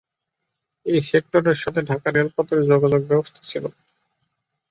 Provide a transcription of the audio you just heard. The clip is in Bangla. এই সেক্টরের সাথে ঢাকার রেলপথের যোগাযোগ ব্যবস্থা ছিলো।